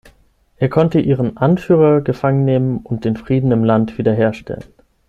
Er konnte ihren Anführer gefangen nehmen und den Frieden im Land wiederherstellen.